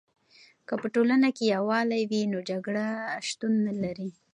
که په ټولنه کې یوالی وي، نو جګړه نه شتون لري.